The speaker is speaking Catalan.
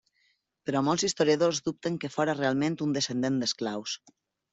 Però molts historiadors dubten que fóra realment un descendent d'esclaus.